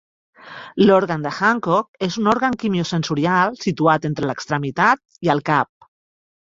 L'organ de Hancock és un òrgan quimiosensorial situat entre l'extremitat i el cap.